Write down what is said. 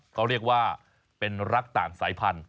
เขาเรียกว่าเป็นรักต่างสายพันธุ